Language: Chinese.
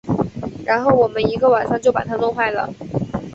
然后我们一个晚上就把它弄坏了